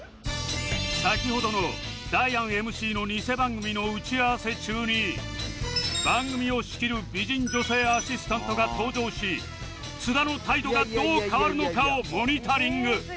先ほどのダイアン ＭＣ のニセ番組の打ち合わせ中に番組を仕切る美人女性アシスタントが登場し津田の態度がどう変わるのかをモニタリング